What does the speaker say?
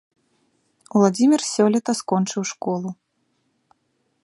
Уладзімір сёлета скончыў школу.